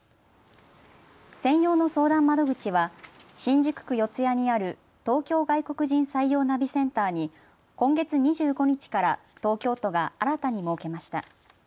専用の相談窓口は新宿区四谷にある東京外国人採用ナビセンターに今月２５日から東京都が新たに設けました。